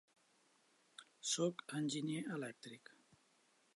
Soc enginyer elèctric.